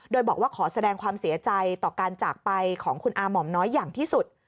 โดยบอกว่าขอแสดงความเสียใจต่อการจากไปของคุณอาหม่อมน้อยอย่างที่สุด